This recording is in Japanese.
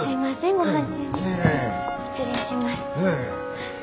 失礼します。